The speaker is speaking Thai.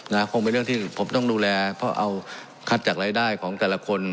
คงเป็นเรื่องที่ผมต้องดูแลเพราะเอาคัดจากรายได้ของแต่ละคน